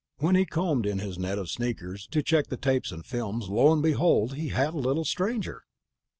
When he combed in his net of sneakers to check the tapes and films, lo and behold, he had a little stranger."